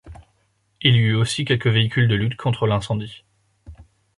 Il y eut aussi quelques véhicules de lutte contre l'incendie.